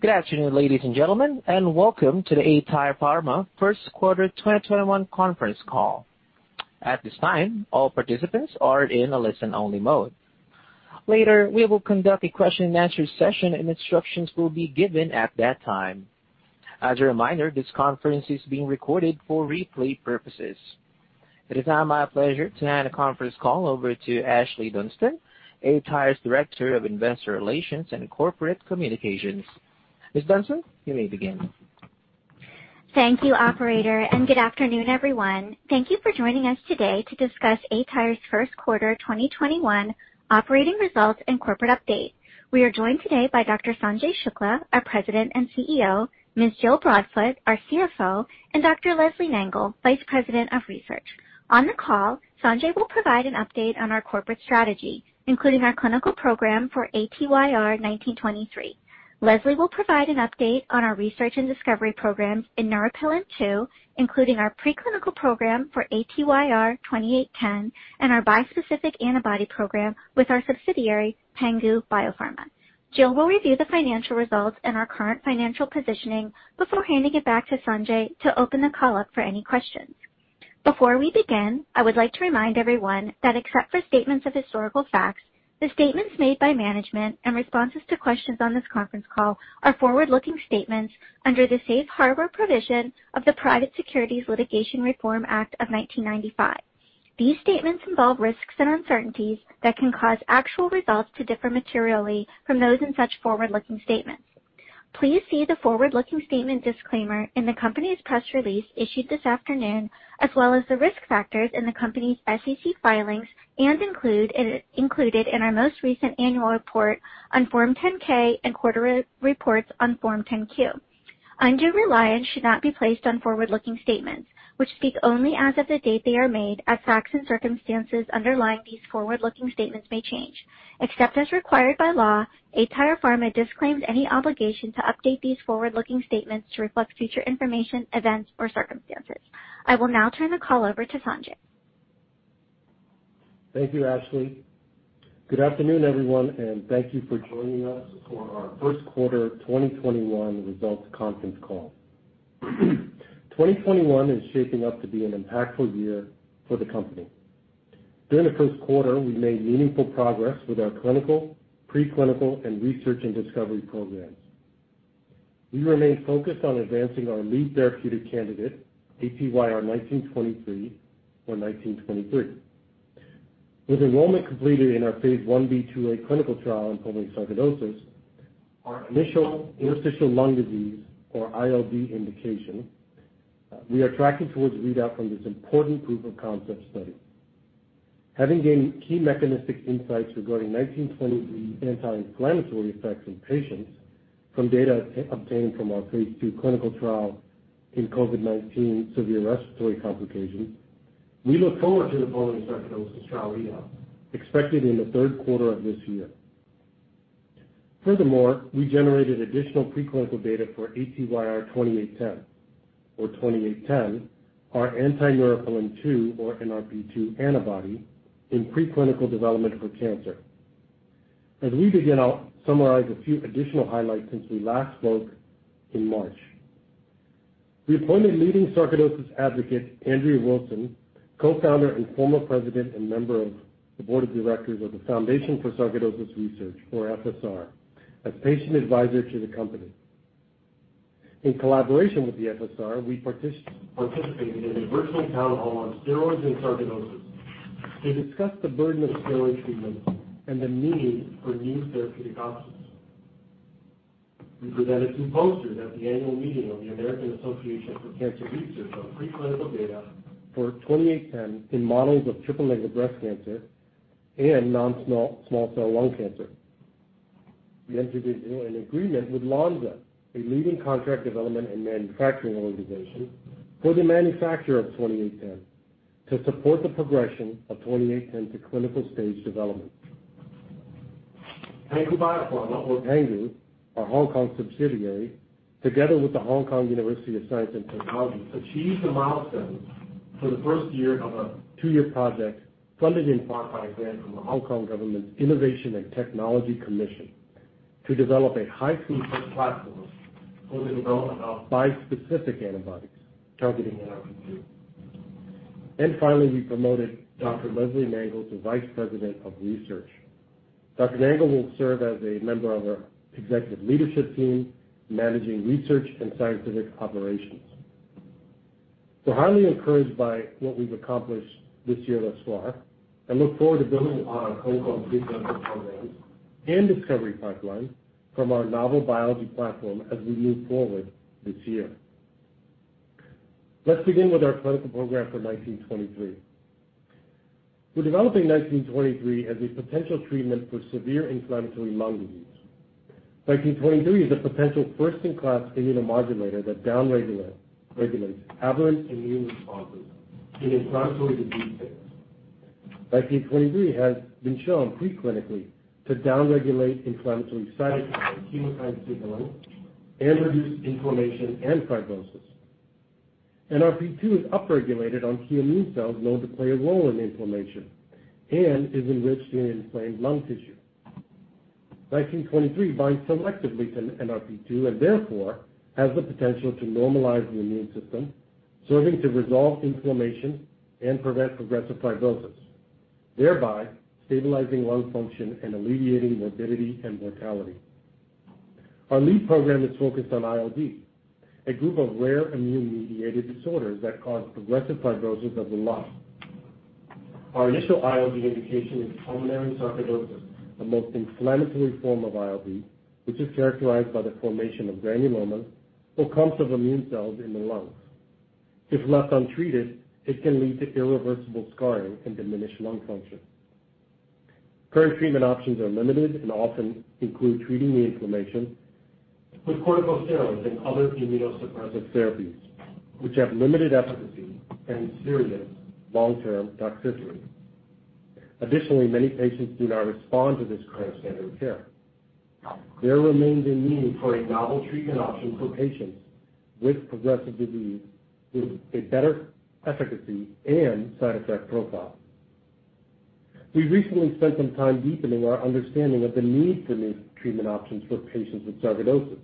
Good afternoon, ladies and gentlemen, and welcome to the aTyr Pharma First Quarter 2021 conference call. At this time, all participants are in a listen-only mode. Later, we will conduct a question and answer session, and instructions will be given at that time. As a reminder, this conference is being recorded for replay purposes. It is now my pleasure to hand the conference call over to Ashlee Dunston, aTyr's Director of Investor Relations and Corporate Communications. Ms. Dunston, you may begin. Thank you, operator. Good afternoon, everyone. Thank you for joining us today to discuss aTyr's first quarter 2021 operating results and corporate update. We are joined today by Dr. Sanjay Shukla, our President and CEO, Ms. Jill Broadfoot, our CFO, and Dr. Leslie Nangle, Vice President of Research. On the call, Sanjay will provide an update on our corporate strategy, including our clinical program for ATYR1923. Leslie will provide an update on our research and discovery programs in Neuropilin-2, including our preclinical program for ATYR2810 and our bispecific antibody program with our subsidiary, Pangu BioPharma. Jill will review the financial results and our current financial positioning before handing it back to Sanjay to open the call up for any questions. Before we begin, I would like to remind everyone that except for statements of historical facts, the statements made by management and responses to questions on this conference call are forward-looking statements under the Safe Harbor provision of the Private Securities Litigation Reform Act of 1995. These statements involve risks and uncertainties that can cause actual results to differ materially from those in such forward-looking statements. Please see the forward-looking statement disclaimer in the company's press release issued this afternoon, as well as the risk factors in the company's SEC filings and included in our most recent annual report on Form 10-K and quarterly reports on Form 10-Q. Undue reliance should not be placed on forward-looking statements, which speak only as of the date they are made, as facts and circumstances underlying these forward-looking statements may change. Except as required by law, aTyr Pharma disclaims any obligation to update these forward-looking statements to reflect future information, events, or circumstances. I will now turn the call over to Sanjay. Thank you, Ashlee. Good afternoon, everyone, and thank you for joining us for our first quarter 2021 results conference call. 2021 is shaping up to be an impactful year for the company. During the first quarter, we made meaningful progress with our clinical, preclinical, and research and discovery programs. We remain focused on advancing our lead therapeutic candidate, ATYR1923 or 1923. With enrollment completed in our Phase Ib/IIa clinical trial in pulmonary sarcoidosis, our initial interstitial lung disease or ILD indication, we are tracking towards readout from this important proof-of-concept study. Having gained key mechanistic insights regarding 1923 anti-inflammatory effects in patients from data obtained from our Phase II clinical trial in COVID-19 severe respiratory complications, we look forward to the pulmonary sarcoidosis trial readout expected in the third quarter of this year. We generated additional preclinical data for ATYR2810 or 2810, our anti-Neuropilin-2 or NRP-2 antibody in preclinical development for cancer. As we begin, I'll summarize a few additional highlights since we last spoke in March. We appointed leading sarcoidosis advocate Andrea Wilson, Co-founder and Former President and member of the board of directors of the Foundation for Sarcoidosis Research, or FSR, as patient advisor to the company. In collaboration with the FSR, we participated in a virtual town hall on steroids and sarcoidosis to discuss the burden of steroid treatment and the need for new therapeutic options. We presented two posters at the annual meeting of the American Association for Cancer Research on preclinical data for 2810 in models of triple-negative breast cancer and non-small cell lung cancer. We entered into an agreement with Lonza, a leading contract development and manufacturing organization, for the manufacture of 2810 to support the progression of 2810 to clinical stage development. Pangu BioPharma or Pangu, our Hong Kong subsidiary, together with The Hong Kong University of Science and Technology, achieved a milestone for the first year of a two-year project funded in part by a grant from the Hong Kong government's Innovation and Technology Commission to develop a high-throughput platform for the development of bispecific antibodies targeting NRP-2. Finally, we promoted Dr. Leslie Nangle to Vice President of Research. Dr. Nangle will serve as a member of our executive leadership team managing research and scientific operations. Highly encouraged by what we've accomplished this year thus far, I look forward to building on Hong Kong's programs and discovery pipeline from our novel biology platform as we move forward this year. Let's begin with our clinical program for 1923. We're developing 1923 as a potential treatment for severe inflammatory lung disease. 1923 is a potential first-in-class immunomodulator that down-regulates aberrant immune responses in inflammatory disease states. 1923 has been shown preclinically to down-regulate inflammatory cytokines and chemokines signaling, and reduce inflammation and fibrosis. NRP2 is upregulated on key immune cells known to play a role in inflammation and is enriched in inflamed lung tissue. 1923 binds selectively to NRP2 and therefore has the potential to normalize the immune system, serving to resolve inflammation and prevent progressive fibrosis, thereby stabilizing lung function and alleviating morbidity and mortality. Our lead program is focused on ILD, a group of rare immune-mediated disorders that cause progressive fibrosis of the lung. Our initial ILD indication is pulmonary sarcoidosis, the most inflammatory form of ILD, which is characterized by the formation of granulomas or clumps of immune cells in the lungs. If left untreated, it can lead to irreversible scarring and diminished lung function. Current treatment options are limited and often include treating the inflammation with corticosteroids and other immunosuppressive therapies, which have limited efficacy and serious long-term toxicity. Additionally, many patients do not respond to this current standard of care. There remains a need for a novel treatment option for patients with progressive disease with a better efficacy and side effect profile. We recently spent some time deepening our understanding of the need for new treatment options for patients with sarcoidosis,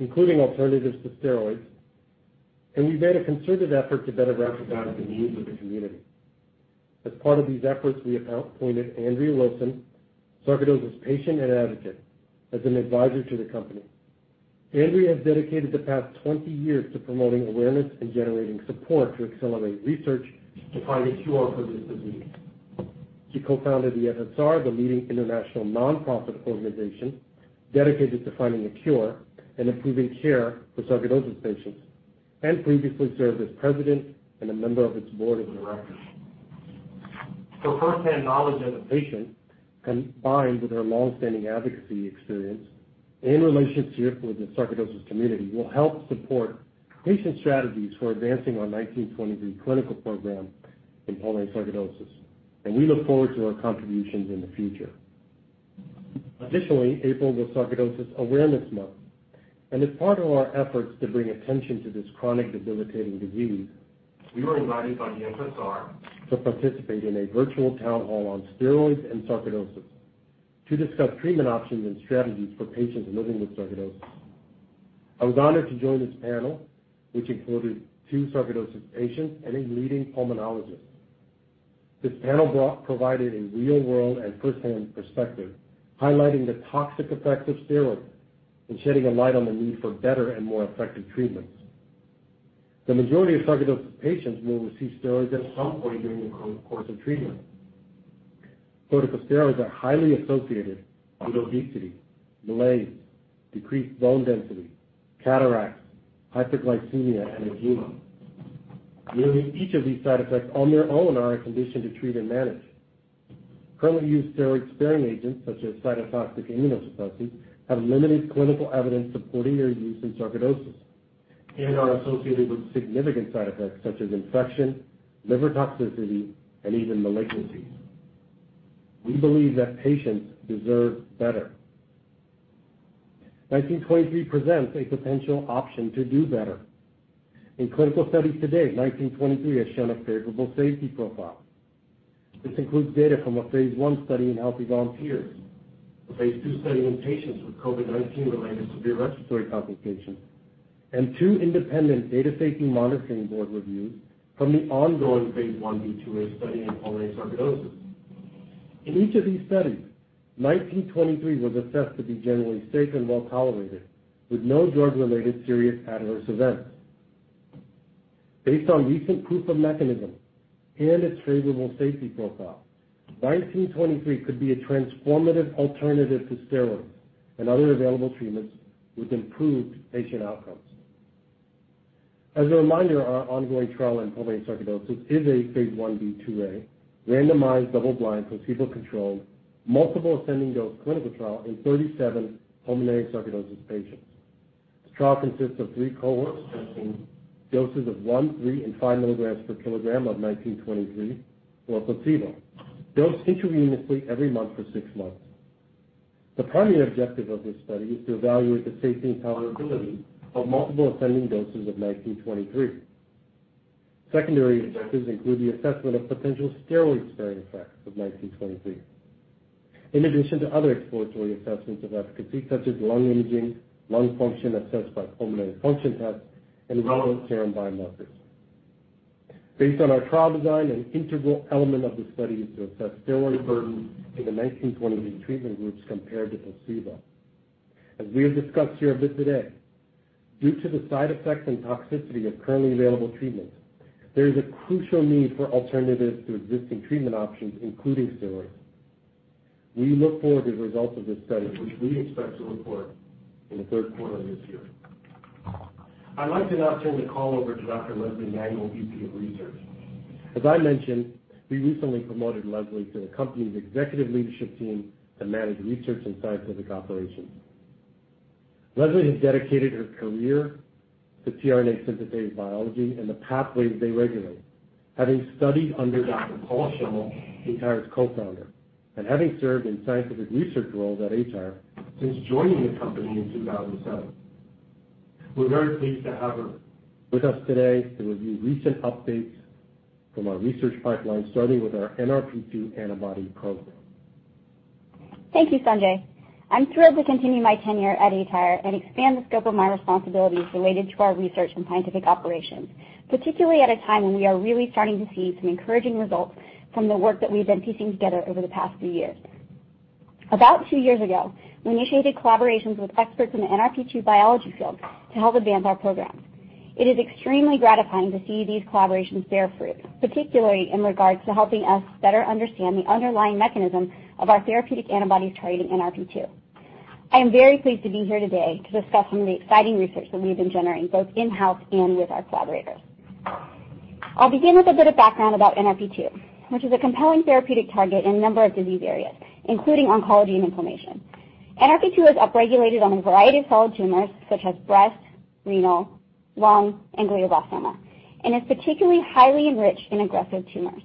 including alternatives to steroids. We've made a concerted effort to better recognize the needs of the community. As part of these efforts, we have appointed Andrea Wilson, sarcoidosis patient and advocate, as an advisor to the company. Andrea has dedicated the past 20 years to promoting awareness and generating support to accelerate research to find a cure for this disease. She co-founded the FSR, the leading international non-profit organization dedicated to finding a cure and improving care for sarcoidosis patients, and previously served as president and a member of its board of directors. Her firsthand knowledge as a patient, combined with her long-standing advocacy experience and relationship with the sarcoidosis community, will help support patient strategies for advancing our 1923 clinical program in pulmonary sarcoidosis, and we look forward to her contributions in the future. Additionally, April was Sarcoidosis Awareness Month, and as part of our efforts to bring attention to this chronic debilitating disease, we were invited by the FSR to participate in a virtual town hall on steroids and sarcoidosis to discuss treatment options and strategies for patients living with sarcoidosis. I was honored to join this panel, which included two sarcoidosis patients and a leading pulmonologist. This panel block provided a real-world and firsthand perspective, highlighting the toxic effects of steroids and shedding a light on the need for better and more effective treatments. The majority of sarcoidosis patients will receive steroids at some point during the course of treatment. Corticosteroids are highly associated with obesity, malaise, decreased bone density, cataracts, hyperglycemia, and edema. Nearly each of these side effects on their own are a condition to treat and manage. Currently used steroid-sparing agents such as cytotoxic immunosuppressants have limited clinical evidence supporting their use in sarcoidosis and are associated with significant side effects such as infection, liver toxicity, and even malignancies. We believe that patients deserve better. 1923 presents a potential option to do better. In clinical studies to date, 1923 has shown a favorable safety profile. This includes data from a phase I study in healthy volunteers, a phase II study in patients with COVID-19 related severe respiratory complications, and two independent data safety monitoring board reviews from the ongoing phase Ib/IIa study in pulmonary sarcoidosis. In each of these studies, 1923 was assessed to be generally safe and well-tolerated, with no drug-related serious adverse events. Based on recent proof of mechanism and its favorable safety profile, 1923 could be a transformative alternative to steroids and other available treatments with improved patient outcomes. As a reminder, our ongoing trial in pulmonary sarcoidosis is a phase Ib/IIa randomized, double-blind, placebo-controlled, multiple ascending-dose clinical trial in 37 pulmonary sarcoidosis patients. This trial consists of three cohorts testing doses of one, three, and five milligrams per kilogram of 1923 or placebo, dosed intravenously every month for six months. The primary objective of this study is to evaluate the safety and tolerability of multiple ascending doses of 1923. Secondary objectives include the assessment of potential steroid-sparing effects of 1923. In addition to other exploratory assessments of efficacy such as lung imaging, lung function assessed by pulmonary function tests, and relevant serum biomarkers. Based on our trial design, an integral element of the study is to assess steroid burden in the 1923 treatment groups compared to placebo. As we have discussed here a bit today, due to the side effects and toxicity of currently available treatments, there is a crucial need for alternatives to existing treatment options, including steroids. We look forward to the results of this study, which we expect to report in the third quarter of this year. I'd like to now turn the call over to Dr. Leslie Nangle, Vice President, Research. As I mentioned, we recently promoted Leslie to the company's executive leadership team to manage research and scientific operations. Leslie has dedicated her career to tRNA synthetase biology and the pathways they regulate. Having studied under Dr. Paul Schimmel, aTyr's co-founder, and having served in scientific research roles at aTyr since joining the company in 2007, we're very pleased to have her with us today to review recent updates from our research pipeline, starting with our NRP2 antibody program. Thank you, Sanjay. I'm thrilled to continue my tenure at aTyr and expand the scope of my responsibilities related to our research and scientific operations, particularly at a time when we are really starting to see some encouraging results from the work that we've been piecing together over the past few years. About two years ago, we initiated collaborations with experts in the NRP2 biology field to help advance our program. It is extremely gratifying to see these collaborations bear fruit, particularly in regards to helping us better understand the underlying mechanism of our therapeutic antibodies targeting NRP2. I am very pleased to be here today to discuss some of the exciting research that we've been generating, both in-house and with our collaborators. I'll begin with a bit of background about NRP2, which is a compelling therapeutic target in a number of disease areas, including oncology and inflammation. NRP2 is upregulated on a variety of solid tumors, such as breast, renal, lung, and glioblastoma, and is particularly highly enriched in aggressive tumors.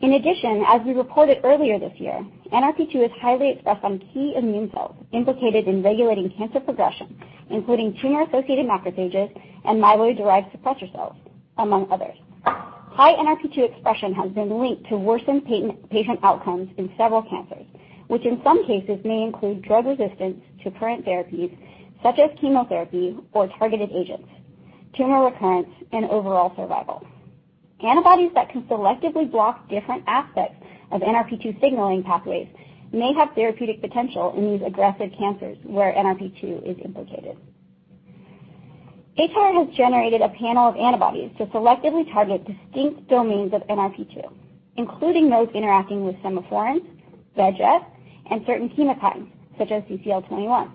In addition, as we reported earlier this year, NRP2 is highly expressed on key immune cells implicated in regulating cancer progression, including tumor-associated macrophages and myeloid-derived suppressor cells, among others. High NRP2 expression has been linked to worsened patient outcomes in several cancers, which in some cases may include drug resistance to current therapies such as chemotherapy or targeted agents, tumor recurrence, and overall survival. Antibodies that can selectively block different aspects of NRP2 signaling pathways may have therapeutic potential in these aggressive cancers where NRP2 is implicated. aTyr has generated a panel of antibodies to selectively target distinct domains of NRP2, including those interacting with semaphorins, VEGF, and certain chemokines such as CCL21.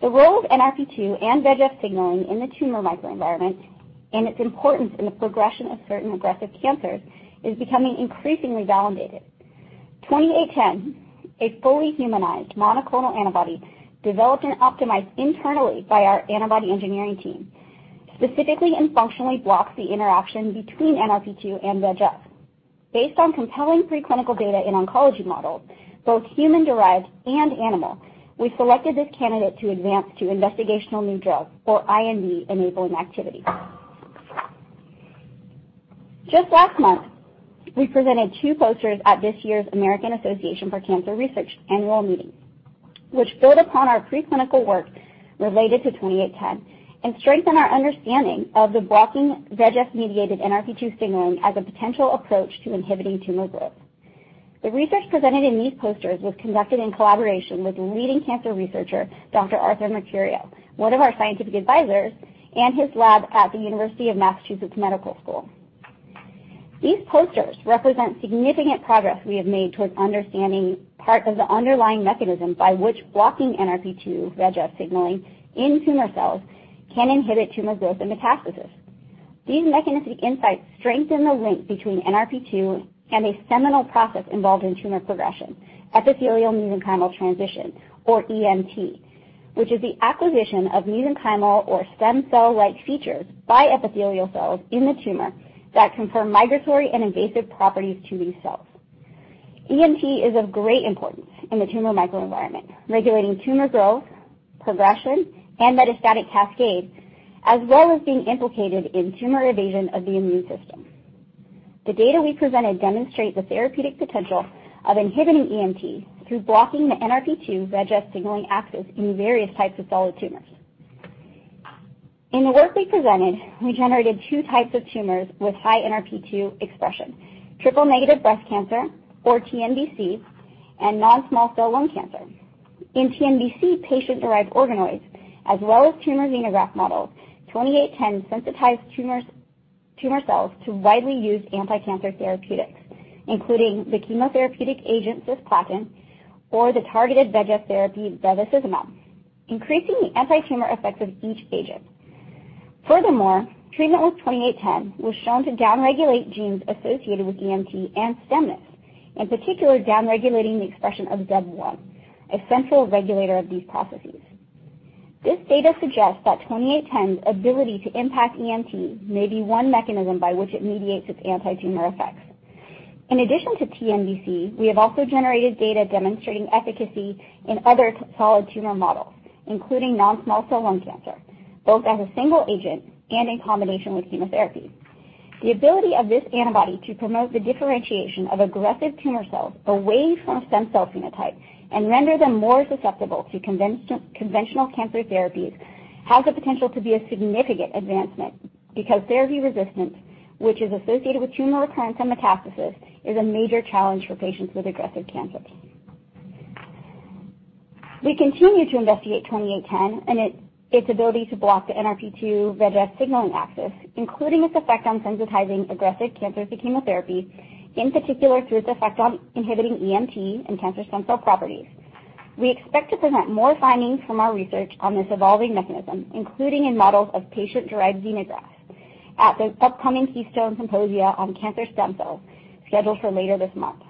The role of NRP2 and VEGF signaling in the tumor microenvironment and its importance in the progression of certain aggressive cancers is becoming increasingly validated. 2810, a fully humanized monoclonal antibody developed and optimized internally by our antibody engineering team, specifically and functionally blocks the interaction between NRP2 and VEGF. Based on compelling preclinical data in oncology models, both human-derived and animal, we've selected this candidate to advance to investigational new drug or IND-enabling activity. Just last month, we presented two posters at this year's American Association for Cancer Research annual meeting, which build upon our preclinical work related to 2810 and strengthen our understanding of the blocking VEGF-mediated NRP2 signaling as a potential approach to inhibiting tumor growth. The research presented in these posters was conducted in collaboration with leading cancer researcher, Dr. Arthur Mercurio, one of our scientific advisors, and his lab at the University of Massachusetts Medical School. These posters represent significant progress we have made towards understanding part of the underlying mechanism by which blocking NRP2 VEGF signaling in tumor cells can inhibit tumor growth and metastasis. These mechanistic insights strengthen the link between NRP2 and a seminal process involved in tumor progression, epithelial-mesenchymal transition, or EMT, which is the acquisition of mesenchymal or stem cell-like features by epithelial cells in the tumor that confer migratory and invasive properties to these cells. EMT is of great importance in the tumor microenvironment, regulating tumor growth, progression, and metastatic cascade, as well as being implicated in tumor evasion of the immune system. The data we presented demonstrate the therapeutic potential of inhibiting EMT through blocking the NRP2 VEGF signaling axis in various types of solid tumors. In the work we presented, we generated two types of tumors with high NRP2 expression, triple-negative breast cancer, or TNBC, and non-small cell lung cancer. In TNBC patient-derived organoids, as well as tumor xenograft models, 2810 sensitized tumor cells to widely used anti-cancer therapeutics, including the chemotherapeutic agent cisplatin or the targeted VEGF therapy bevacizumab, increasing the anti-tumor effects of each agent. Furthermore, treatment with 2810 was shown to downregulate genes associated with EMT and stemness, in particular downregulating the expression of ZEB1, a central regulator of these processes. This data suggests that 2810's ability to impact EMT may be one mechanism by which it mediates its anti-tumor effects. In addition to TNBC, we have also generated data demonstrating efficacy in other solid tumor models, including non-small cell lung cancer, both as a single agent and in combination with chemotherapy. The ability of this antibody to promote the differentiation of aggressive tumor cells away from stem cell phenotype and render them more susceptible to conventional cancer therapies has the potential to be a significant advancement because therapy resistance, which is associated with tumor recurrence and metastasis, is a major challenge for patients with aggressive cancers. We continue to investigate 2810 and its ability to block the NRP2 VEGF signaling axis, including its effect on sensitizing aggressive cancers to chemotherapy, in particular through its effect on inhibiting EMT and cancer stem cell properties. We expect to present more findings from our research on this evolving mechanism, including in models of patient-derived xenografts, at the upcoming Keystone Symposia on Cancer Stem Cells scheduled for later this month.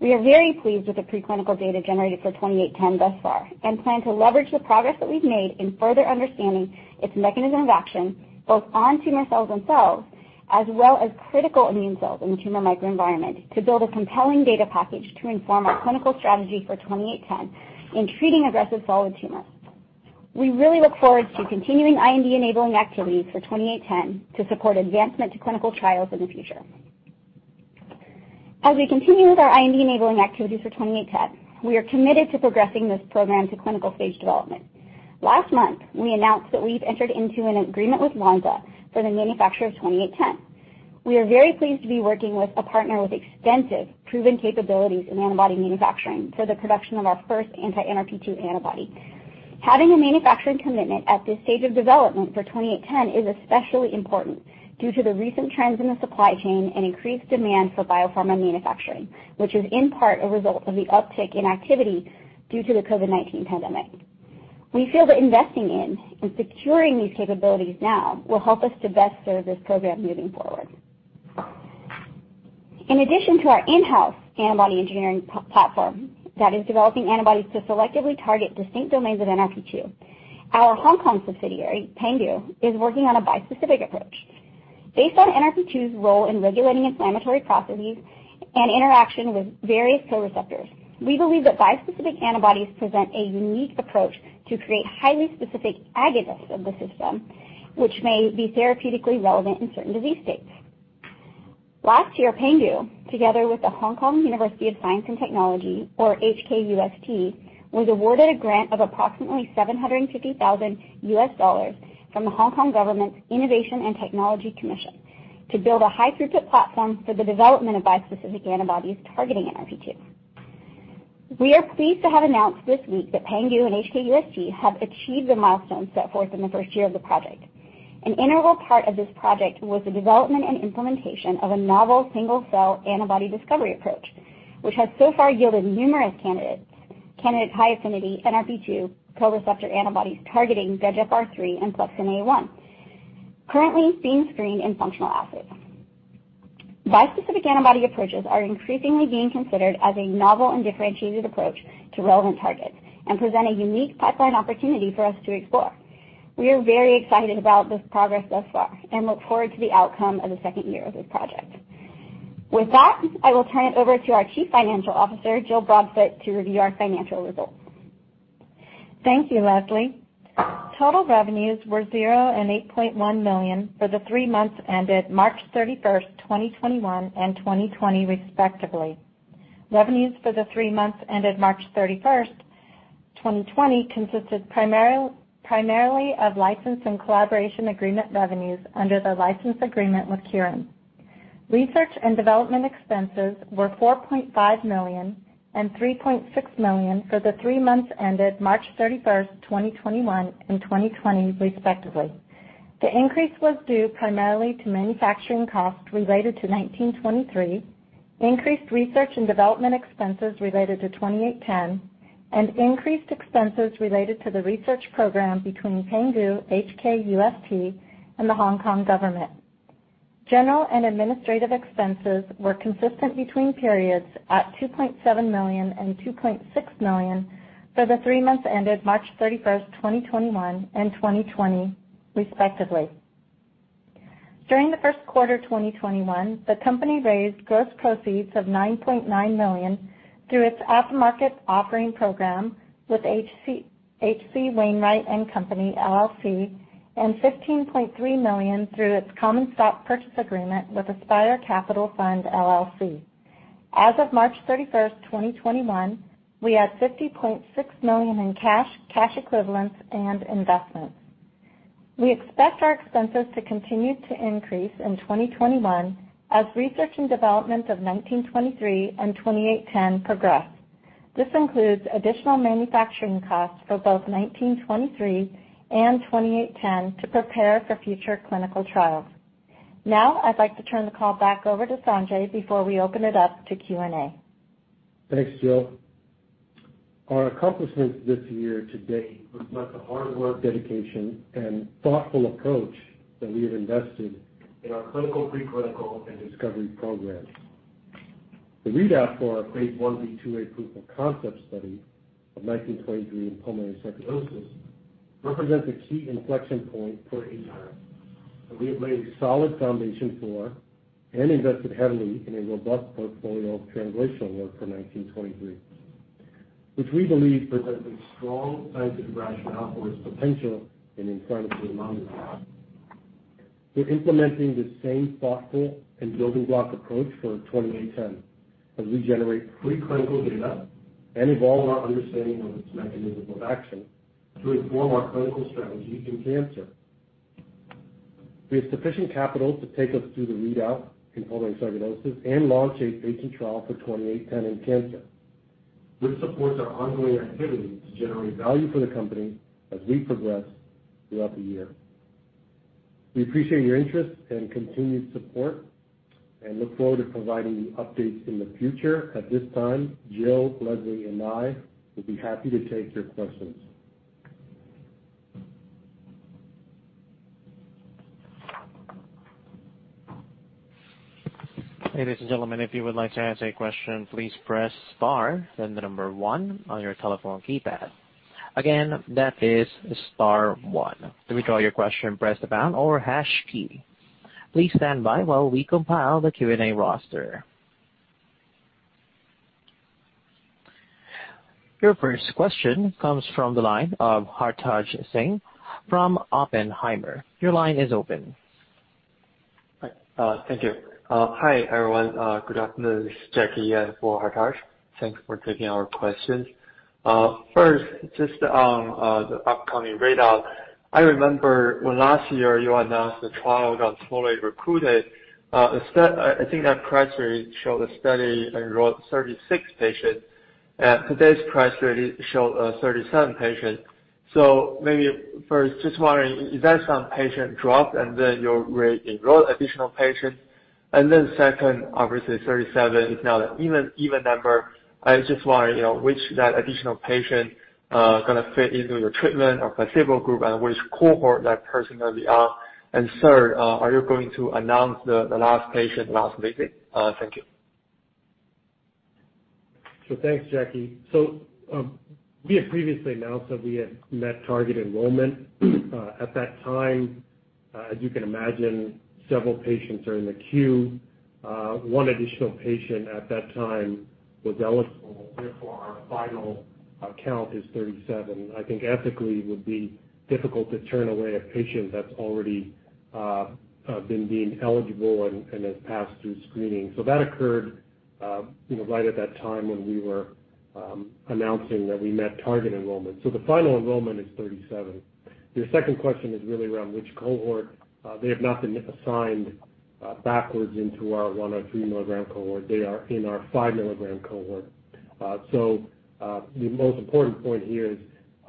We are very pleased with the preclinical data generated for 2810 thus far and plan to leverage the progress that we've made in further understanding its mechanism of action, both on tumor cells themselves as well as critical immune cells in the tumor microenvironment, to build a compelling data package to inform our clinical strategy for 2810 in treating aggressive solid tumors. We really look forward to continuing IND-enabling activities for 2810 to support advancement to clinical trials in the future. As we continue with our IND-enabling activities for 2810, we are committed to progressing this program to clinical stage development. Last month, we announced that we've entered into an agreement with Lonza for the manufacture of 2810. We are very pleased to be working with a partner with extensive proven capabilities in antibody manufacturing for the production of our first anti-NRP-2 antibody. Having a manufacturing commitment at this stage of development for 2810 is especially important due to the recent trends in the supply chain and increased demand for biopharma manufacturing, which is in part a result of the uptick in activity due to the COVID-19 pandemic. We feel that investing in and securing these capabilities now will help us to best serve this program moving forward. In addition to our in-house antibody engineering platform that is developing antibodies to selectively target distinct domains of NRP-2, our Hong Kong subsidiary, Pangu, is working on a bispecific approach. Based on NRP-2's role in regulating inflammatory processes and interaction with various co-receptors, we believe that bispecific antibodies present a unique approach to create highly specific agonists of the system, which may be therapeutically relevant in certain disease states. Last year, Pangu, together with The Hong Kong University of Science and Technology, or HKUST, was awarded a grant of approximately $750,000 from the Hong Kong Government's Innovation and Technology Commission to build a high-throughput platform for the development of bispecific antibodies targeting NRP-2. We are pleased to have announced this week that Pangu and HKUST have achieved the milestones set forth in the first year of the project. An integral part of this project was the development and implementation of a novel single-cell antibody discovery approach, which has so far yielded numerous candidates, candidate high-affinity NRP-2 co-receptor antibodies targeting ErbB3 and Plexin A1, currently being screened in functional assays. Bispecific antibody approaches are increasingly being considered as a novel and differentiated approach to relevant targets and present a unique pipeline opportunity for us to explore. We are very excited about this progress thus far and look forward to the outcome of the second year of this project. With that, I will turn it over to our Chief Financial Officer, Jill Broadfoot, to review our financial results. Thank you, Leslie. Total revenues were $0 and $8.1 million for the three months ended March 31, 2021, and 2020, respectively. Revenues for the three months ended March 31, 2020, consisted primarily of license and collaboration agreement revenues under the license agreement with Kyorin. Research and development expenses were $4.5 million and $3.6 million for the three months ended March 31, 2021, and 2020, respectively. The increase was due primarily to manufacturing costs related to 1923, increased research and development expenses related to 2810, and increased expenses related to the research program between Pangu, HKUST, and the Hong Kong government. General and administrative expenses were consistent between periods at $2.7 million and $2.6 million for the three months ended March 31, 2021, and 2020, respectively. During the first quarter 2021, the company raised gross proceeds of $9.9 million through its at-the-market offering program with H.C. Wainwright & Co., LLC, and $15.3 million through its common stock purchase agreement with Aspire Capital Fund, LLC. As of March 31, 2021, we had $50.6 million in cash equivalents, and investments. We expect our expenses to continue to increase in 2021 as research and development of ATYR1923 and ATYR2810 progress. This includes additional manufacturing costs for both ATYR1923 and ATYR2810 to prepare for future clinical trials. Now, I'd like to turn the call back over to Sanjay before we open it up to Q&A. Thanks, Jill. Our accomplishments this year to date reflect the hard work, dedication, and thoughtful approach that we have invested in our clinical, preclinical, and discovery programs. The readout for our phase Ib/IIa proof of concept study of 1923 in pulmonary sarcoidosis represents a key inflection point for aTyr, and we have laid a solid foundation for and invested heavily in a robust portfolio of translational work for 1923, which we believe presents a strong scientific rationale for its potential in inflammatory lung disease. We're implementing the same thoughtful and building block approach for 2810 as we generate preclinical data and evolve our understanding of its mechanism of action to inform our clinical strategy in cancer. We have sufficient capital to take us through the readout in pulmonary sarcoidosis and launch a Phase II trial for ATYR2810 in cancer, which supports our ongoing activity to generate value for the company as we progress throughout the year. We appreciate your interest and continued support and look forward to providing you updates in the future. At this time, Jill, Leslie, and I would be happy to take your questions. Your first question comes from the line of Hartaj Singh from Oppenheimer. Your line is open. Hi. Thank you. Hi, everyone. Good afternoon. This is Jackie for Hartaj. Thanks for taking our questions. First, just on the upcoming readout. I remember when last year you announced the trial got fully recruited. I think that press release showed the study enrolled 36 patients, and today's press release showed 37 patients. Maybe first just wondering, is that some patient dropped and then you re-enrolled additional patient? Second, obviously 37 is now an even number. I just wonder which that additional patient going to fit into your treatment or placebo group and which cohort that person will be on. Third, are you going to announce the last patient last visit? Thank you. Thanks, Jackie. We had previously announced that we had met target enrollment. At that time, as you can imagine, several patients are in the queue. One additional patient at that time was eligible, therefore, our final count is 37. I think ethically it would be difficult to turn away a patient that's already been deemed eligible and has passed through screening. That occurred right at that time when we were announcing that we met target enrollment. The final enrollment is 37. Your second question is really around which cohort. They have not been assigned backwards into our one or three milligram cohort. They are in our five milligram cohort. The most important point here is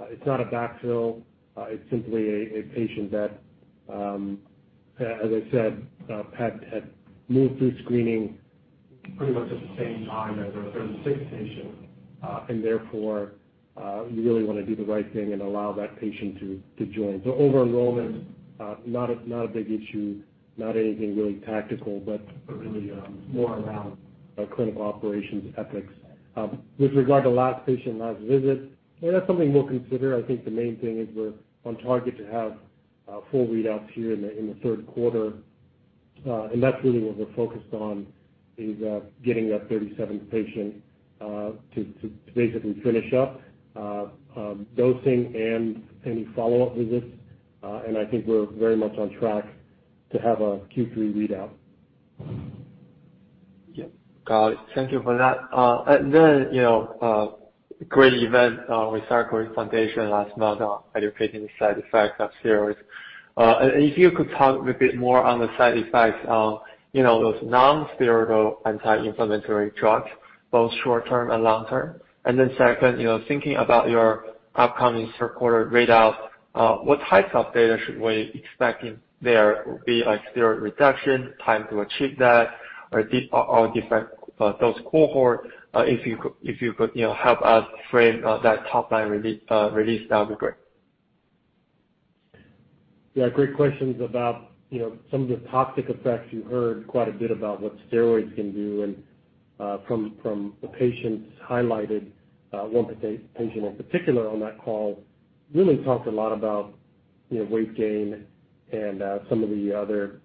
it's not a backfill. It's simply a patient that, as I said, had moved through screening pretty much at the same time as our 36 patient. Therefore, you really want to do the right thing and allow that patient to join. Over enrollment, not a big issue, not anything really tactical, but really more around clinical operations ethics. With regard to last patient, last visit, that's something we'll consider. I think the main thing is we're on target to have full readouts here in the third quarter. That's really what we're focused on is getting that 37 patient to basically finish up dosing and any follow-up visits. I think we're very much on track to have a Q3 readout. Yeah. Got it. Thank you for that. Great event with Foundation for Sarcoidosis Research last month, educating the side effects of steroids. If you could talk a bit more on the side effects of those non-steroidal anti-inflammatory drugs, both short-term and long-term. Second, thinking about your upcoming third quarter readout, what types of data should we expecting there be, like steroid reduction, time to achieve that, or all different those cohort? If you could help us frame that top-line release, that would be great. Yeah, great questions about some of the toxic effects you heard quite a bit about what steroids can do and from the patients highlighted, one patient in particular on that call really talked a lot about weight gain and some of the other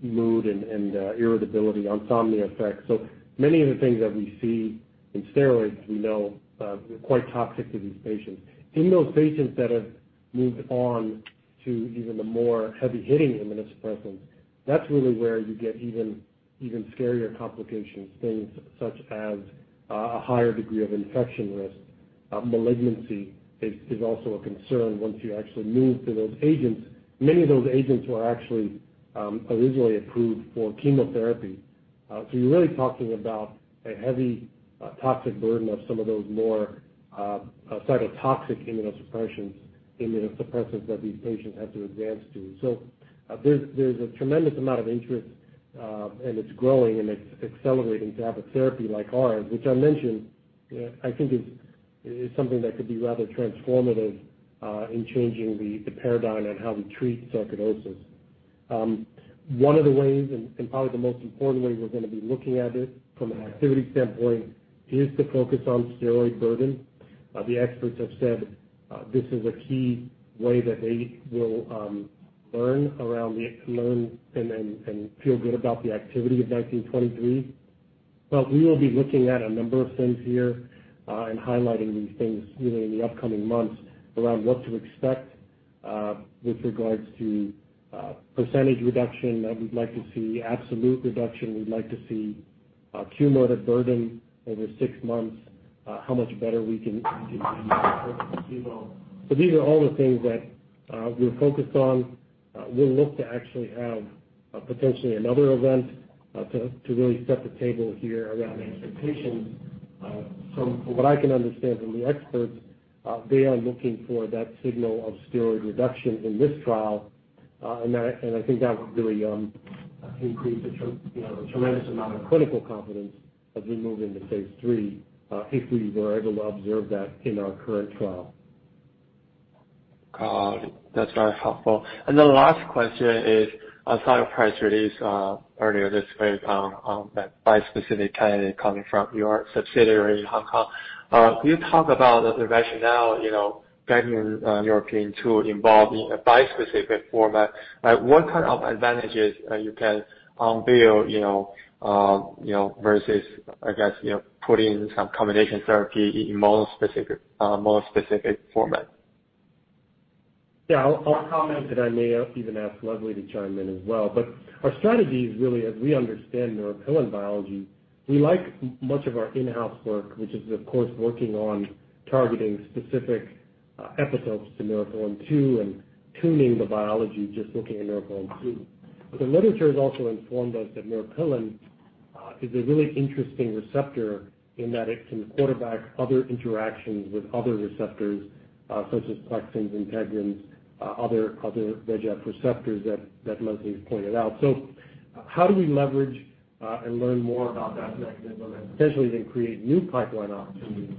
mood and irritability, insomnia effects. Many of the things that we see in steroids, we know they're quite toxic to these patients. In those patients that have moved on to even the more heavy-hitting immunosuppressants, that's really where you get even scarier complications, things such as a higher degree of infection risk. Malignancy is also a concern once you actually move to those agents. Many of those agents were actually originally approved for chemotherapy. You're really talking about a heavy toxic burden of some of those more cytotoxic immunosuppressants that these patients have to advance to. There's a tremendous amount of interest, and it's growing and it's accelerating to have a therapy like ours, which I mentioned I think is something that could be rather transformative in changing the paradigm on how we treat sarcoidosis. One of the ways, and probably the most important way we're going to be looking at it from an activity standpoint is the focus on steroid burden. The experts have said this is a key way that they will learn and feel good about the activity of 1923. We will be looking at a number of things here, and highlighting these things in the upcoming months around what to expect with regards to percentage reduction that we'd like to see, absolute reduction we'd like to see, cumulative burden over six months, how much better we can do versus placebo. These are all the things that we're focused on. We'll look to actually have potentially another event to really set the table here around expectations. From what I can understand from the experts, they are looking for that signal of steroid reduction in this trial, and I think that would really increase a tremendous amount of clinical confidence as we move into phase III, if we were able to observe that in our current trial. Got it. That's very helpful. The last question is, I saw your press release earlier this week on that bispecific candidate coming from your subsidiary in Hong Kong. Can you talk about the rationale, getting your team to involve in a bispecific format? What kind of advantages you can unveil, versus, I guess, putting some combination therapy in monospecific format? Yeah, I will comment, and I may even ask Leslie to chime in as well. Our strategy is really as we understand Neuropilin-2 biology, we like much of our in-house work, which is of course working on targeting specific epitopes to Neuropilin-2 and tuning the biology just looking at Neuropilin-2. The literature has also informed us that Neuropilin-2 is a really interesting receptor in that it can quarterback other interactions with other receptors, such as plexins, integrins, other VEGF receptors that Leslie has pointed out. How do we leverage and learn more about that mechanism and potentially then create new pipeline opportunities?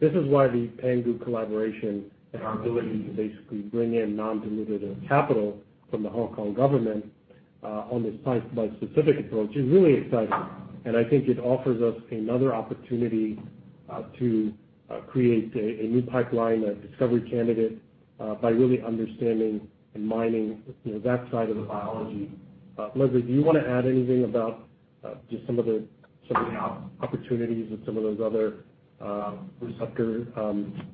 This is why the Pangu collaboration and our ability to basically bring in non-dilutive capital from the Hong Kong government on this bispecific approach is really exciting. I think it offers us another opportunity to create a new pipeline, a discovery candidate, by really understanding and mining that side of the biology. Leslie, do you want to add anything about just some of the opportunities with some of those other receptor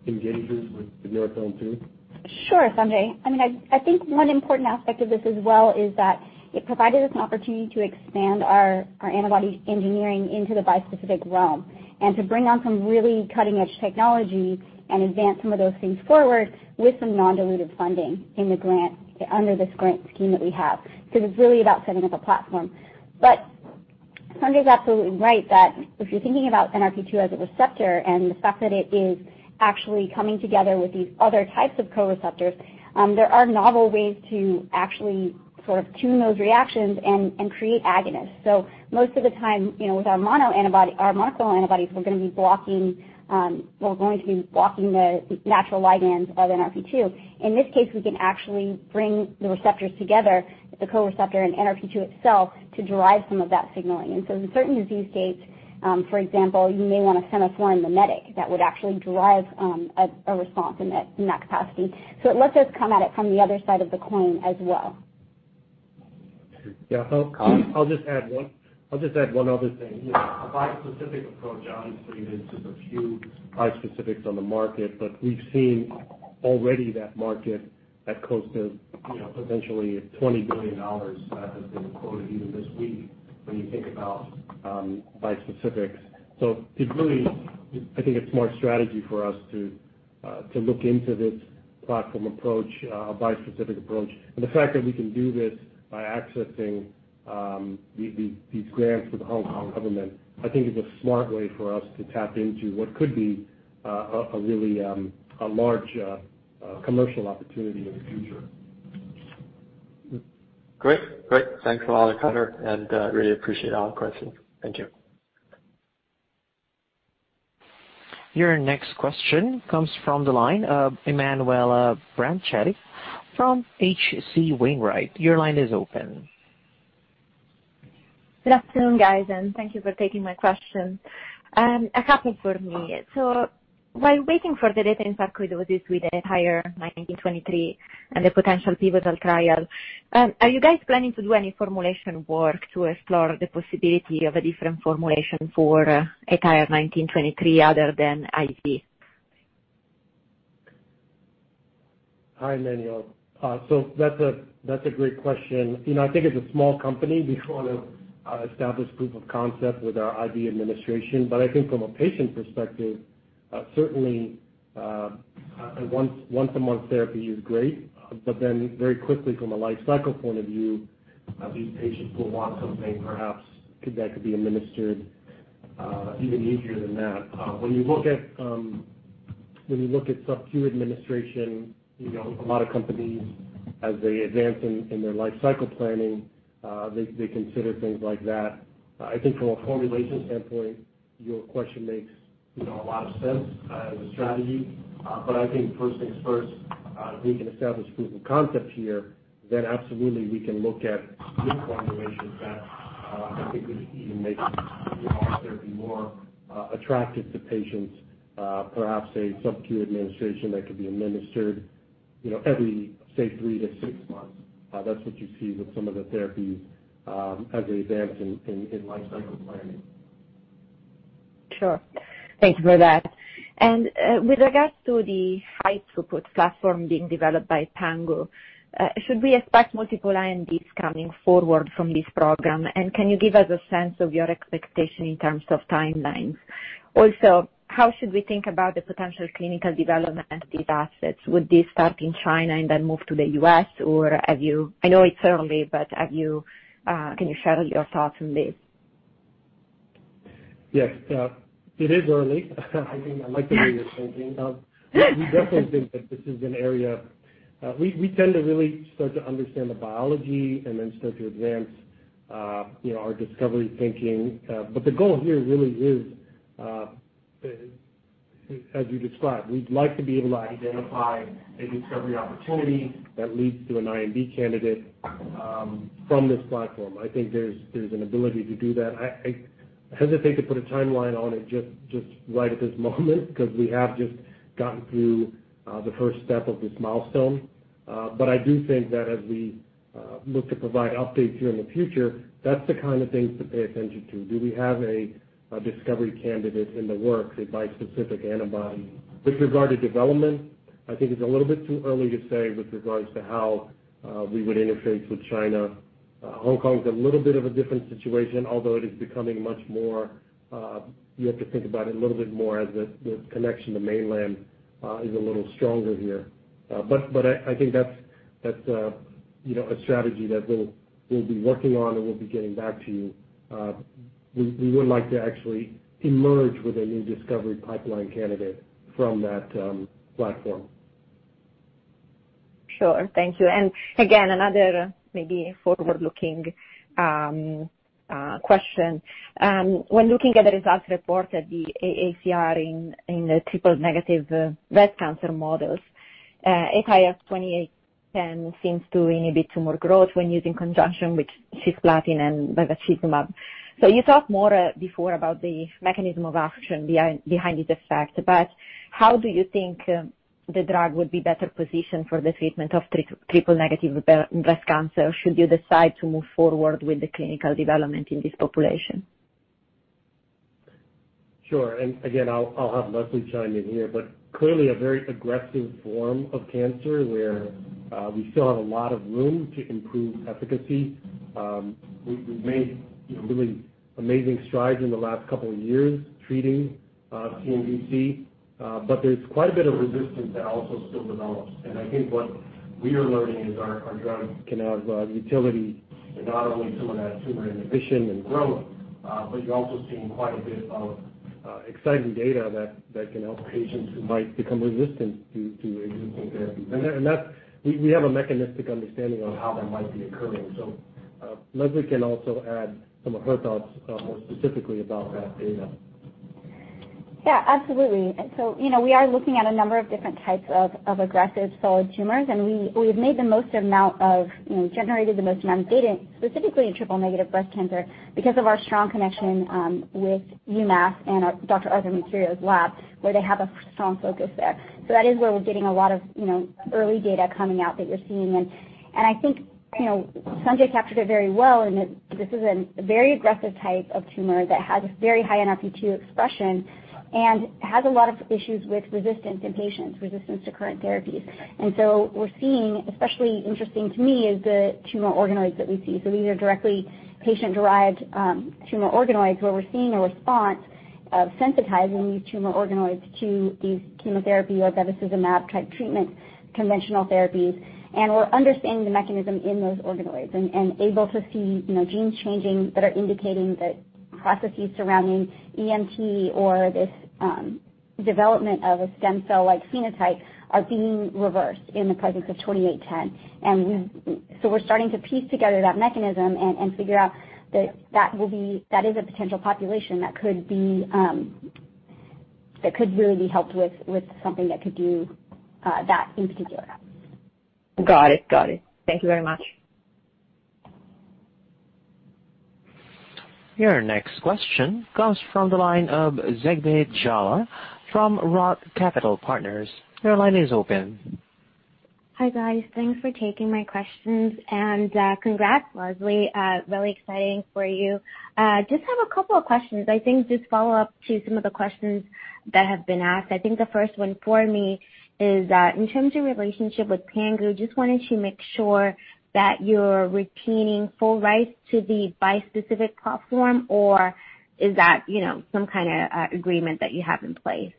engagers with Neuropilin-2? Sure. Sanjay. I think one important aspect of this as well is that it provided us an opportunity to expand our antibody engineering into the bispecific realm and to bring on some really cutting-edge technology and advance some of those things forward with some non-dilutive funding under this grant scheme that we have. It's really about setting up a platform. Sanjay's absolutely right. That if you're thinking about NRP2 as a receptor and the fact that it is actually coming together with these other types of co-receptors, there are novel ways to actually sort of tune those reactions and create agonists. Most of the time, with our monoclonal antibodies, we're going to be blocking the natural ligands of NRP2. In this case, we can actually bring the receptors together, the co-receptor and NRP2 itself, to derive some of that signaling. In certain disease states, for example, you may want a semaphorin mimetic that would actually drive a response in that capacity. It lets us come at it from the other side of the coin as well. Yeah. I'll just add one other thing. A bispecific approach, obviously, there's just a few bispecifics on the market, but we've seen already that market at close to potentially $20 billion that has been quoted even this week when you think about bispecifics. It really, I think it's smart strategy for us to look into this platform approach, a bispecific approach. The fact that we can do this by accessing these grants with the Hong Kong government, I think is a smart way for us to tap into what could be a really large commercial opportunity in the future. Great. Thanks a lot, Connor, and really appreciate all the questions. Thank you. Your next question comes from the line of Emanuela Branchetti from H.C. Wainwright. Your line is open. Good afternoon, guys, and thank you for taking my questions. A couple for me. While waiting for the data in fact with those with ATYR1923 and the potential pivotal trial, are you guys planning to do any formulation work to explore the possibility of a different formulation for ATYR1923 other than IV? Hi, Emanuela. That's a great question. I think as a small company, we want to establish proof of concept with our IV administration. I think from a patient perspective, certainly, a once a month therapy is great. Very quickly from a life cycle point of view, these patients will want something perhaps that could be administered even easier than that. When you look at subq administration, a lot of companies, as they advance in their life cycle planning, they consider things like that. I think from a formulation standpoint, your question makes a lot of sense as a strategy. I think first things first, if we can establish proof of concept here, then absolutely, we can look at new formulations that I think would even make therapy more attractive to patients. Perhaps a subq administration that could be administered every, say, three to six months. That's what you see with some of the therapies as they advance in life cycle planning. Sure. Thank you for that. With regards to the high-throughput platform being developed by Pangu, should we expect multiple INDs coming forward from this program? Can you give us a sense of your expectation in terms of timelines? Also, how should we think about the potential clinical development of these assets? Would this start in China and then move to the U.S.? I know it's early, but can you share your thoughts on this? Yes. It is early. I like the way you're thinking. We definitely think that this is an area. We tend to really start to understand the biology and then start to advance our discovery thinking. The goal here really is, as you described, we'd like to be able to identify a discovery opportunity that leads to an IND candidate from this platform. I think there's an ability to do that. I hesitate to put a timeline on it just right at this moment, because we have just gotten through the first step of this milestone. I do think that as we look to provide updates here in the future, that's the kind of things to pay attention to. Do we have a discovery candidate in the works, a bispecific antibody? With regard to development, I think it's a little bit too early to say with regards to how we would interface with China. Hong Kong is a little bit of a different situation, although you have to think about it a little bit more as the connection to Mainland is a little stronger here. I think that's a strategy that we'll be working on and we'll be getting back to you. We would like to actually emerge with a new discovery pipeline candidate from that platform. Sure. Thank you. Again, another maybe forward-looking question. When looking at the results reported, the AACR in the triple negative breast cancer models, ATYR2810 seems to inhibit tumor growth when used in conjunction with cisplatin and bevacizumab. You talked more before about the mechanism of action behind this effect, but how do you think the drug would be better positioned for the treatment of triple negative breast cancer should you decide to move forward with the clinical development in this population? Sure. I'll have Leslie chime in here, but clearly a very aggressive form of cancer where we still have a lot of room to improve efficacy. We've made really amazing strides in the last couple of years treating TNBC, but there's quite a bit of resistance that also still develops. I think what we are learning is our drug can add utility to not only some of that tumor inhibition and growth, but you're also seeing quite a bit of exciting data that can help patients who might become resistant to existing therapies. We have a mechanistic understanding of how that might be occurring. Leslie can also add some of her thoughts more specifically about that data. Yeah, absolutely. We are looking at a number of different types of aggressive solid tumors, and we've generated the most amount of data, specifically in triple negative breast cancer because of our strong connection with UMass and Dr. Arthur Mercurio's lab, where they have a strong focus there. That is where we're getting a lot of early data coming out that you're seeing, and I think Sanjay S. Shukla captured it very well in that this is a very aggressive type of tumor that has very high NRP2 expression and has a lot of issues with resistance in patients, resistance to current therapies. What we're seeing, especially interesting to me, is the tumor organoids that we see. These are directly patient-derived tumor organoids where we're seeing a response of sensitizing these tumor organoids to these chemotherapy or bevacizumab-type treatment conventional therapies. We're understanding the mechanism in those organoids and able to see gene changing that are indicating that processes surrounding EMT or this development of a stem cell-like phenotype are being reversed in the presence of 2810. We're starting to piece together that mechanism and figure out that is a potential population that could really be helped with something that could do that in particular. Got it. Thank you very much. Your next question comes from the line of Zegbeh Jallah from Roth Capital Partners. Your line is open. Hi, guys. Thanks for taking my questions, and congrats, Leslie. Really exciting for you. Just have a couple of questions. I think just follow up to some of the questions that have been asked. I think the first one for me is, in terms of relationship with Pangu, just wanted to make sure that you're retaining full rights to the bispecific platform, or is that some kind of agreement that you have in place?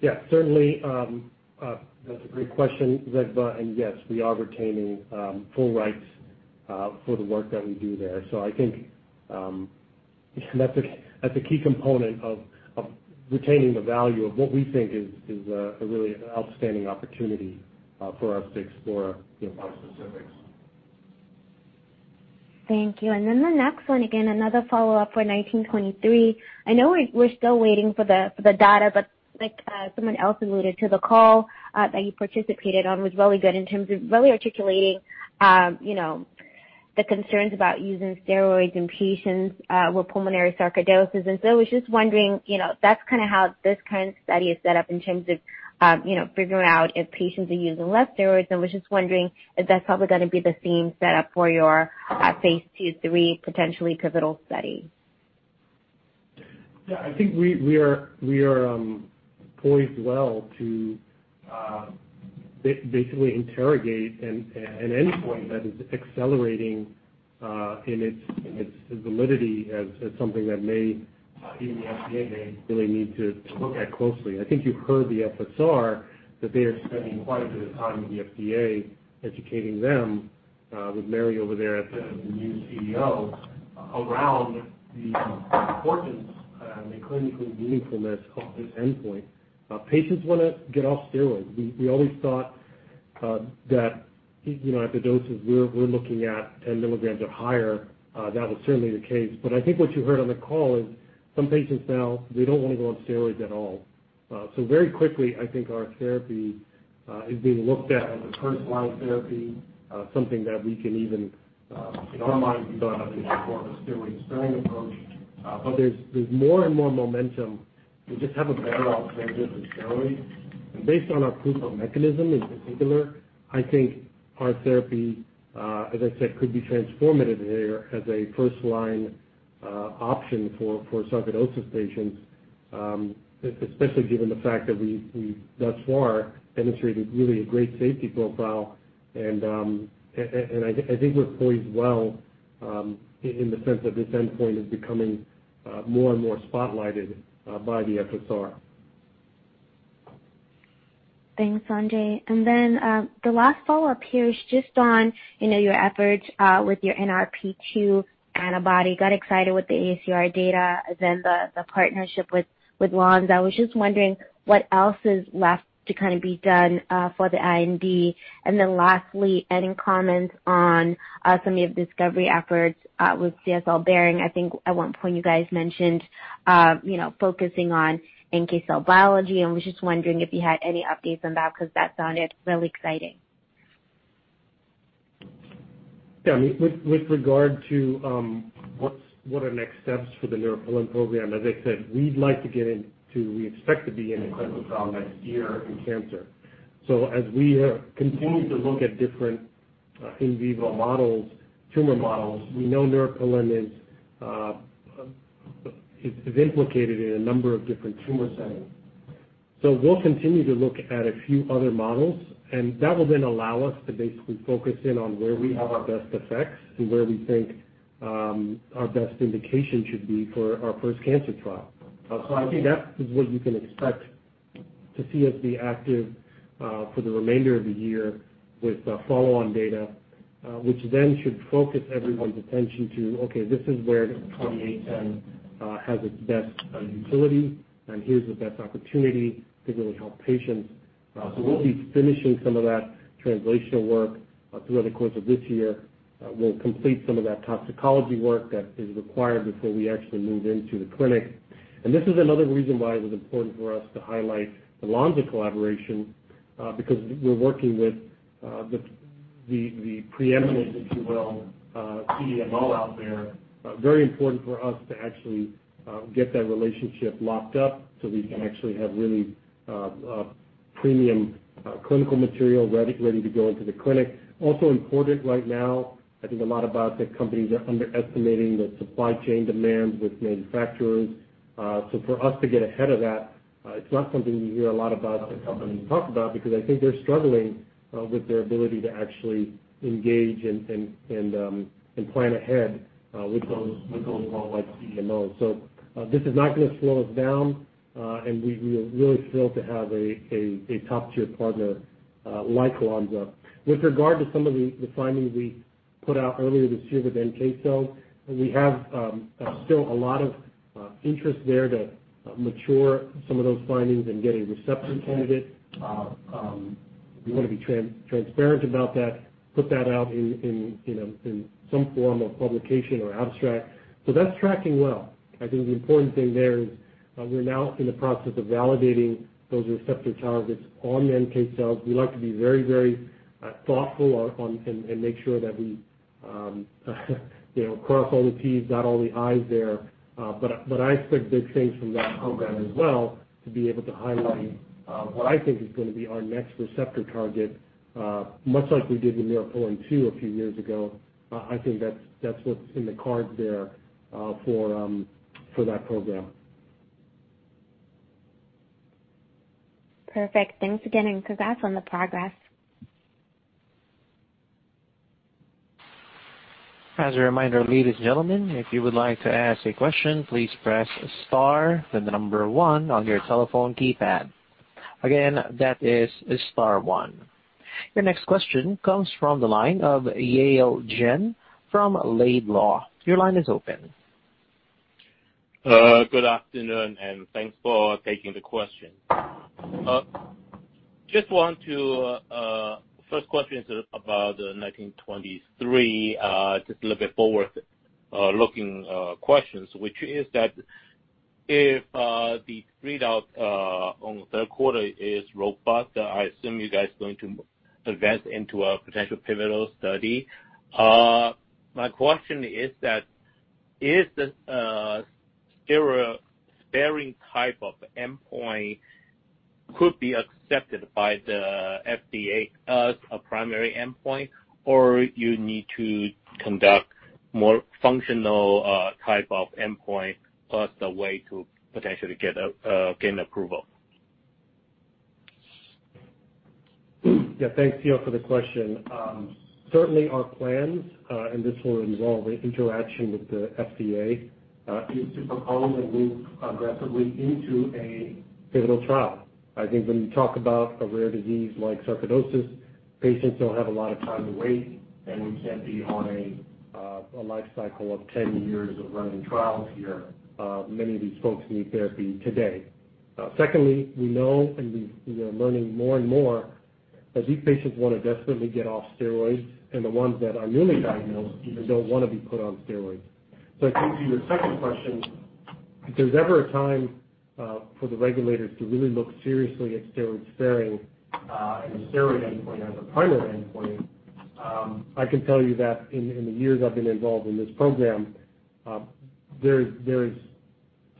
Yeah, certainly. That's a great question, Zegbeh. Yes, we are retaining full rights for the work that we do there. I think that's a key component of retaining the value of what we think is a really outstanding opportunity for us to explore bispecifics. Thank you. The next one, again, another follow-up for ATYR1923. I know we're still waiting for the data, but like someone else alluded to, the call that you participated on was really good in terms of really articulating the concerns about using steroids in patients with pulmonary sarcoidosis. I was just wondering, that's kind of how this kind of study is set up in terms of figuring out if patients are using less steroids. I was just wondering if that's probably going to be the same setup for your phase II-III potentially pivotal study. Yeah, I think we are poised well to basically interrogate an endpoint that is accelerating in its validity as something that maybe the FDA may really need to look at closely. I think you've heard the FSR, that they are spending quite a bit of time with the FDA educating them with Mary over there as the new CEO around the importance and the clinical meaningfulness of this endpoint. Patients want to get off steroids. That at the doses we're looking at, 10 milligrams or higher, that is certainly the case. I think what you heard on the call is some patients now, they don't want to go on steroids at all. Very quickly, I think our therapy is being looked at as a first-line therapy, something that we can even, in our mind, we don't have any form of steroid-sparing approach. There's more and more momentum to just have a better alternative than steroids. Based on our proof of mechanism in particular, I think our therapy, as I said, could be transformative there as a first-line option for sarcoidosis patients, especially given the fact that we've thus far demonstrated really a great safety profile. I think we're poised well in the sense that this endpoint is becoming more and more spotlighted by the FSR. Thanks, Sanjay. The last follow-up here is just on your efforts with your NRP2 antibody. I got excited with the AACR data, then the partnership with Lonza. I was just wondering what else is left to be done for the IND. Lastly, any comments on some of your discovery efforts with CSL Behring. I think at one point you guys mentioned focusing on NK cell biology, and I was just wondering if you had any updates on that, because that sounded really exciting. Yeah, with regard to what are next steps for the Neuropilin program, as I said, we expect to be in a clinical trial next year in cancer. As we continue to look at different in vivo models, tumor models, we know Neuropilin is implicated in a number of different tumor settings. We'll continue to look at a few other models, and that will then allow us to basically focus in on where we have our best effects and where we think our best indication should be for our first cancer trial. I think that is what you can expect to see us be active for the remainder of the year with follow-on data, which then should focus everyone's attention to, okay, this is where ATYR2810 has its best utility, and here's the best opportunity to really help patients. We'll be finishing some of that translational work throughout the course of this year. We'll complete some of that toxicology work that is required before we actually move into the clinic. This is another reason why it was important for us to highlight the Lonza collaboration, because we're working with the preeminent, if you will, CDMO out there. Very important for us to actually get that relationship locked up so we can actually have really premium clinical material ready to go into the clinic. Also important right now, I think a lot of biotech companies are underestimating the supply chain demands with manufacturers. For us to get ahead of that, it's not something you hear a lot of biotech companies talk about, because I think they're struggling with their ability to actually engage and plan ahead with those like CDMO. This is not going to slow us down. We are really thrilled to have a top-tier partner like Lonza. With regard to some of the findings we put out earlier this year with NK cells, we have still a lot of interest there to mature some of those findings and get a receptor candidate. We want to be transparent about that, put that out in some form of publication or abstract. That's tracking well. I think the important thing there is we're now in the process of validating those receptor targets on NK cells. We like to be very thoughtful and make sure that we cross all the T's, dot all the I's there. I expect big things from that program as well to be able to highlight what I think is going to be our next receptor target, much like we did with Neuropilin-2 a few years ago. I think that's what's in the cards there for that program. Perfect. Thanks again, and congrats on the progress. As a reminder, ladies and gentlemen, if you would like to ask a question, please press star, then the number one on your telephone keypad. Again, that is star one. Your next question comes from the line of Yale Jen from Laidlaw & Company. Your line is open. Good afternoon, thanks for taking the question. First question is about 1923. Just a little bit forward-looking questions, which is that if the readout on third quarter is robust, I assume you guys are going to advance into a potential pivotal study. My question is that, is the steroid-sparing type of endpoint could be accepted by the FDA as a primary endpoint, or you need to conduct more functional type of endpoint as the way to potentially gain approval? Thanks, Yale, for the question. Our plans, and this will involve interaction with the FDA, is to propose and move aggressively into a pivotal trial. I think when you talk about a rare disease like sarcoidosis, patients don't have a lot of time to wait, and we can't be on a life cycle of 10 years of running trials here. Many of these folks need therapy today. We know, and we are learning more and more. These patients want to desperately get off steroids, and the ones that are newly diagnosed even don't want to be put on steroids. To your second question, if there's ever a time for the regulators to really look seriously at steroid sparing and a steroid endpoint as a primary endpoint, I can tell you that in the years I've been involved in this program, there is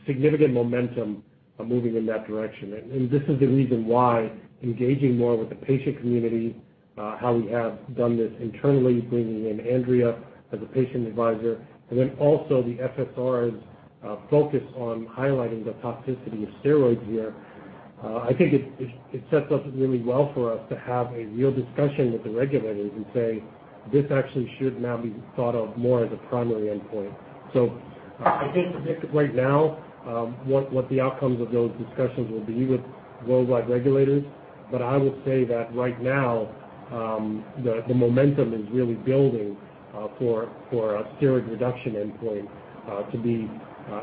significant momentum of moving in that direction. This is the reason why engaging more with the patient community, how we have done this internally, bringing in Andrea as a patient advisor, and then also the FSR's focus on highlighting the toxicity of steroids here. I think it sets up really well for us to have a real discussion with the regulators and say, "This actually should now be thought of more as a primary endpoint." I can't predict right now what the outcomes of those discussions will be with worldwide regulators. I will say that right now, the momentum is really building for a steroid reduction endpoint to be,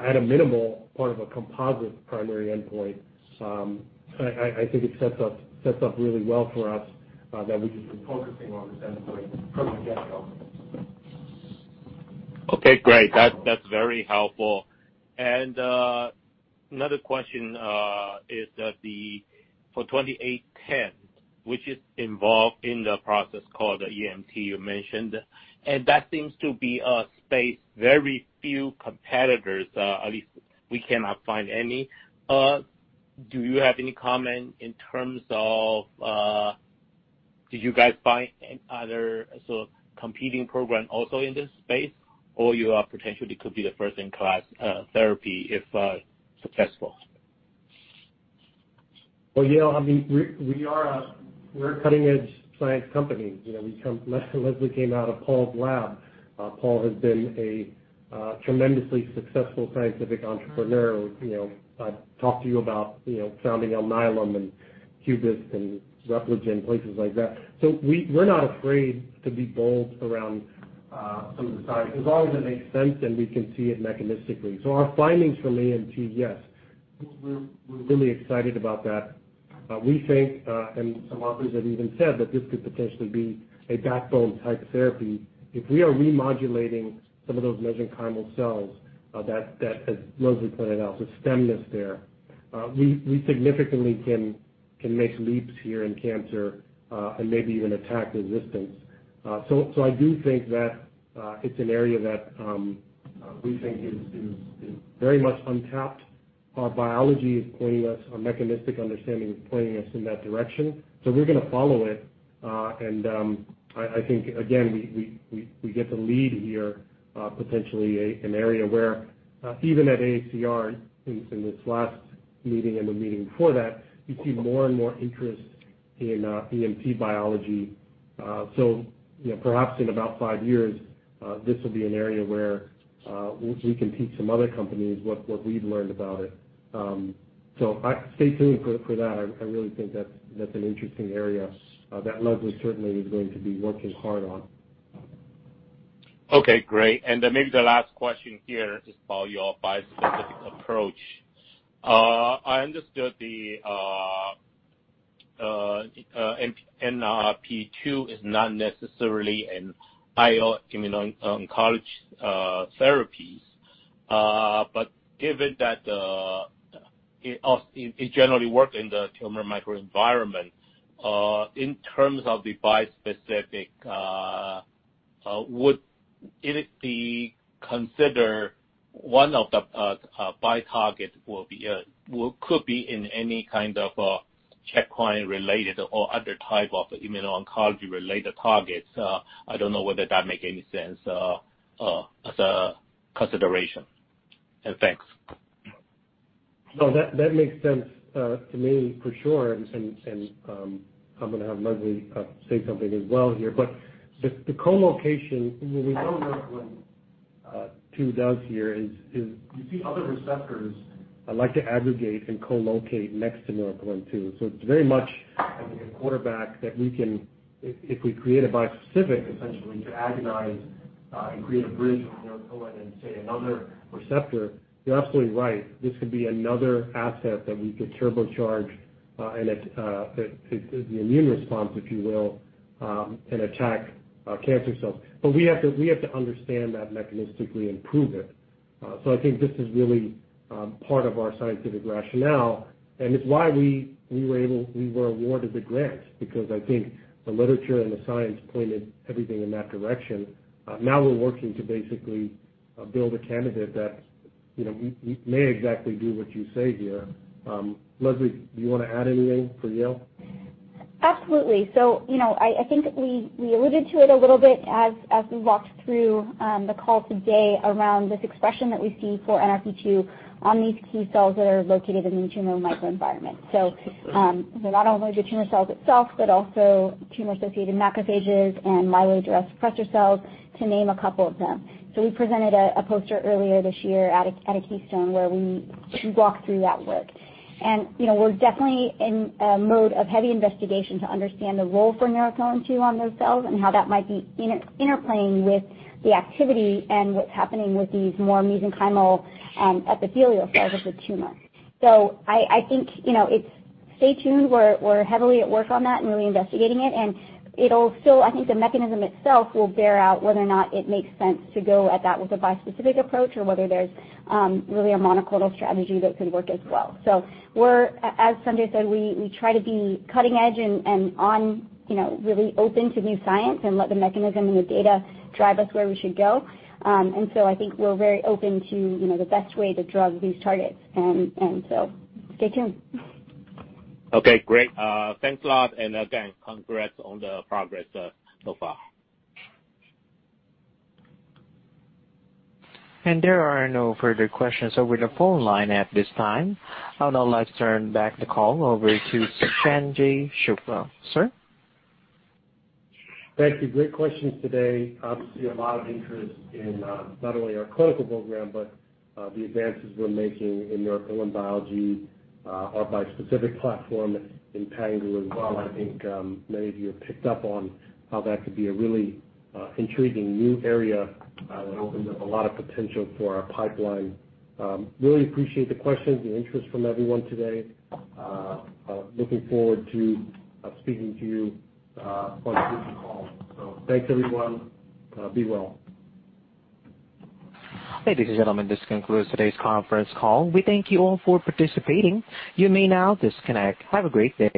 at a minimum, part of a composite primary endpoint. I think it sets up really well for us that we've just been focusing on this endpoint from the get-go. Okay, great. That's very helpful. Another question is that for ATYR2810, which is involved in the process called the EMT you mentioned, and that seems to be a space very few competitors, at least we cannot find any. Do you have any comment in terms of, do you guys find other competing program also in this space? Or you potentially could be the first in class therapy if successful? Well, we're a cutting edge science company. Leslie came out of Paul's lab. Paul has been a tremendously successful scientific entrepreneur. I've talked to you about founding Alnylam and Cubist and Repligen, places like that. We're not afraid to be bold around some of the science, as long as it makes sense and we can see it mechanistically. Our findings from EMT, yes, we're really excited about that. We think, and some authors have even said that this could potentially be a backbone type therapy. If we are remodulating some of those mesenchymal cells, that as Leslie pointed out, the stemness there, we significantly can make leaps here in cancer, and maybe even attack resistance. I do think that it's an area that we think is very much untapped. Our biology is pointing us, our mechanistic understanding is pointing us in that direction. We are going to follow it. I think, again, we get to lead here, potentially an area where even at AACR, in this last meeting and the meeting before that, you see more and more interest in EMT biology. Perhaps in about five years, this will be an area where we can teach some other companies what we've learned about it. Stay tuned for that. I really think that's an interesting area that Leslie certainly is going to be working hard on. Okay, great. Maybe the last question here is about your bispecific approach. I understood the NRP2 is not necessarily an IO immuno-oncology therapy. Given that it generally work in the tumor microenvironment, in terms of the bispecific, would it be considered one of the bi-target could be in any kind of checkpoint related or other type of immuno-oncology related targets? I don't know whether that make any sense as a consideration. Thanks. No, that makes sense to me for sure. I'm going to have Leslie say something as well here. The colocation, what we know Neuropilin-2 does here is you see other receptors like to aggregate and colocate next to Neuropilin-2. It's very much a quarterback that we can, if we create a bispecific essentially to agonize and create a bridge with Neuropilin and, say, another receptor, you're absolutely right. This could be another asset that we could turbocharge the immune response, if you will, and attack cancer cells. We have to understand that mechanistically and prove it. I think this is really part of our scientific rationale, and it's why we were awarded the grant because I think the literature and the science pointed everything in that direction. Now we're working to basically build a candidate that may exactly do what you say here. Leslie, do you want to add anything for Yale? Absolutely. I think we alluded to it a little bit as we walked through the call today around this expression that we see for NRP2 on these T-cells that are located in the tumor microenvironment. Not only the tumor cells itself, but also tumor-associated macrophages and myeloid-derived suppressor cells, to name a couple of them. We presented a poster earlier this year at a Keystone where we walked through that work. We're definitely in a mode of heavy investigation to understand the role for Neuropilin-2 on those cells and how that might be interplaying with the activity and what's happening with these more mesenchymal and epithelial cells of the tumor. I think, stay tuned. We're heavily at work on that and really investigating it. I think the mechanism itself will bear out whether or not it makes sense to go at that with a bispecific approach or whether there's really a monoclonal strategy that could work as well. As Sanjay said, we try to be cutting edge and really open to new science and let the mechanism and the data drive us where we should go. I think we're very open to the best way to drug these targets, and so stay tuned. Okay, great. Thanks a lot, and again, congrats on the progress so far. There are no further questions over the phone line at this time. Now let's turn back the call over to Sanjay Shukla. Sir? Thank you. Great questions today. A lot of interest in not only our clinical program, but the advances we're making in Neuropilin biology, our bispecific platform in Pangu as well. I think many of you have picked up on how that could be a really intriguing new area that opens up a lot of potential for our pipeline. Really appreciate the questions, the interest from everyone today. Looking forward to speaking to you on a future call. Thanks, everyone. Be well. Ladies and gentlemen, this concludes today's conference call. We thank you all for participating. You may now disconnect. Have a great day.